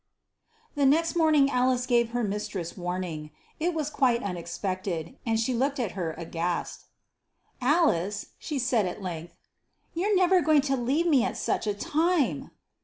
The next morning Alice gave her mistress warning. It was quite unexpected, and she looked at her aghast. "Alice," she said at length, "you're never going to leave me at such a time!"